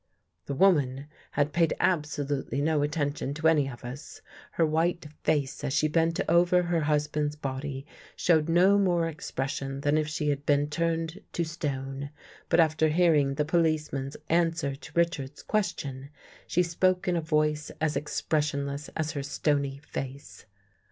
The woman had paid absolutely no attention to any of us. Her white face, as she bent over her husband's body, showed no more expression than if she had been turned to stone. But, after hearing the policeman's answer to Richards's question, she spoke in a voice as expressionless as her stony face.